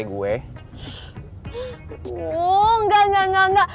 uuuh enggak enggak enggak enggak